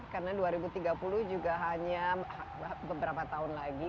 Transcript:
karena dua ribu tiga puluh juga hanya beberapa tahun lagi